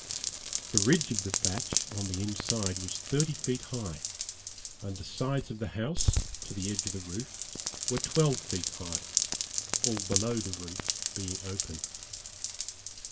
The ridge of the thatch, on the inside, was thirty feet high, and the sides of the house, to the edge of the roof, were twelve feet high; all below the roof being open.